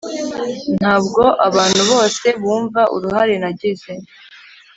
ntabwo abantu bose bumva uruhare nagize